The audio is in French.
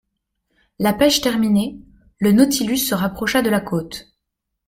La pêche terminée, le Nautilus se rapprocha de la côte.